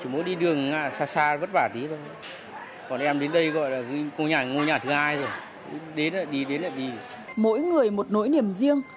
mỗi người một nỗi niềm riêng